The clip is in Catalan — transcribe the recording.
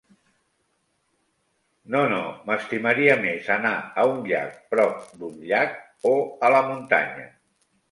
No, no, m'estimaria més anar a un llac prop d'un llac, o a la muntanya.